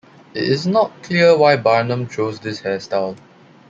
It is not clear why Barnum chose this hairstyle.